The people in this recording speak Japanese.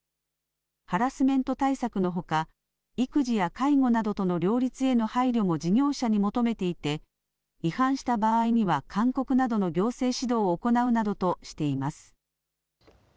ハラスメント対策のほか育児や介護などとの両立への配慮も事業者に求めていて違反した場合には勧告などの行政指導を行うなどとしています。